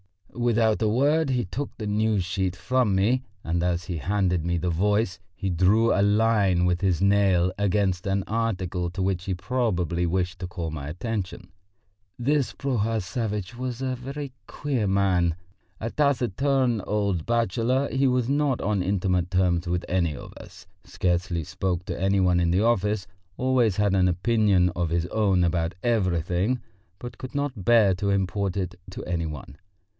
Without a word he took the News sheet from me, and as he handed me the Voice he drew a line with his nail against an article to which he probably wished to call my attention. This Prohor Savvitch was a very queer man: a taciturn old bachelor, he was not on intimate terms with any of us, scarcely spoke to any one in the office, always had an opinion of his own about everything, but could not bear to import it to any one.